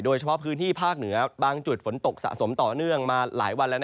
โดยเฉพาะพื้นที่ภาคเหนือบางจุดฝนตกสะสมต่อเนื่องมาหลายวันแล้ว